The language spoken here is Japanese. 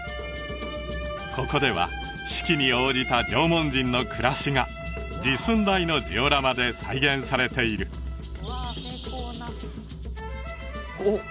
ここでは四季に応じた縄文人の暮らしが実寸大のジオラマで再現されているおっ